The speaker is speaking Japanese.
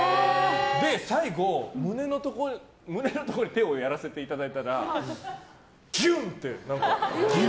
最後、胸のところに手をやらせていただいたらぎゅん！って。